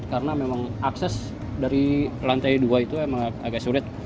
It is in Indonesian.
karena memang akses dari lantai dua itu agak sulit